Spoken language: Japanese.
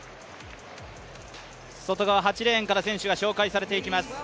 外側８レーンから選手が紹介されていきます。